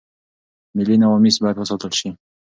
ملي نواميس بايد وساتل شي.